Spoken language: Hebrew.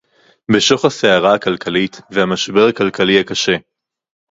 בשוך הסערה הכלכלית והמשבר הכלכלי הקשה